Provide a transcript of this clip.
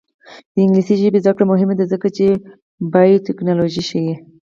د انګلیسي ژبې زده کړه مهمه ده ځکه چې بایوټیکنالوژي ښيي.